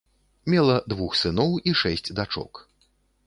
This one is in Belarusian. Мела двух сыноў і шэсць дачок.